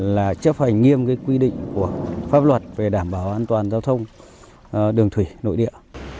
là chấp hành nghiêm quy định của pháp luật về đảm bảo an toàn giao thông đường thủy nội địa